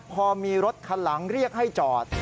พอมีรถคันหลังเรียกให้จอด